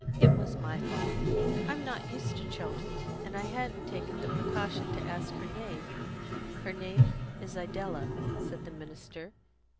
"It was my fault. I'm not used to children, and I hadn't taken the precaution to ask her name " "Her name is Idella," said the minister.